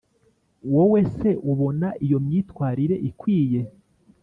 wowe se ubona iyo mitwarire ikwiye